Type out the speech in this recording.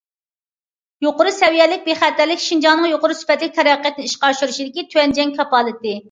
يۇقىرى سەۋىيەلىك بىخەتەرلىك شىنجاڭنىڭ يۇقىرى سۈپەتلىك تەرەققىياتنى ئىشقا ئاشۇرۇشىدىكى تۆۋەن چەك كاپالىتى.